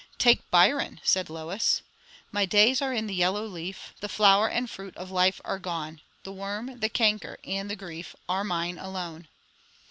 '" "Take Byron," said Lois 'My days are in the yellow leaf, The flower and fruit of life are gone; The worm, the canker, and the grief, Are mine alone.'"